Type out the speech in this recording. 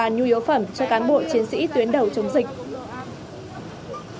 nhu yếu phẩm cho cán bộ chiến sĩ tuyến đầu chống dịch